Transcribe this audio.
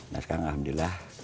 nah sekarang alhamdulillah